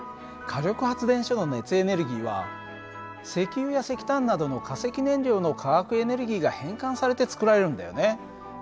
火力発電所の熱エネルギーは石油や石炭などの化石燃料の化学エネルギーが変換されて作られるんだよね。